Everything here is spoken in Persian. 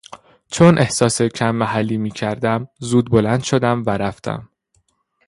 چون احساس کم محلی میکردم زود بلند شدم و رفتم.